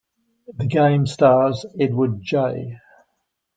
The game stars Edward J.